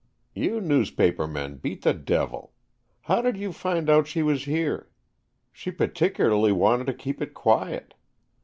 "You newspaper men beat the devil! How did you find out she was here? She particularly wanted to keep it quiet.